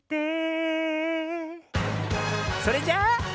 それじゃあ。